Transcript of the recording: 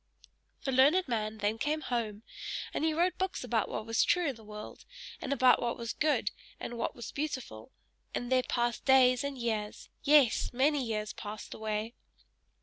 The learned man then came home, and he wrote books about what was true in the world, and about what was good and what was beautiful; and there passed days and years yes! many years passed away.